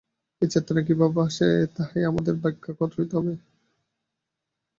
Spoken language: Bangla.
এই চেতনা কিভাবে আসে, তাহাই আমাদের ব্যাখ্যা করিতে হইবে।